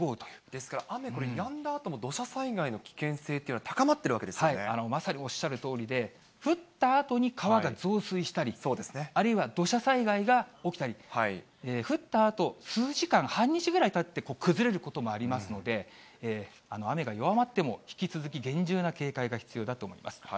ですから雨、やんだあとも土砂災害の危険性というのが高まっまさにおっしゃるとおりで、降ったあとに川が増水したり、あるいは土砂災害が起きたり、降ったあと数時間、半日ぐらいたって崩れることもありますので、雨が弱まっても、引き続き厳重な警戒が必要だと思います。